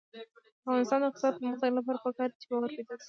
د افغانستان د اقتصادي پرمختګ لپاره پکار ده چې باور پیدا شي.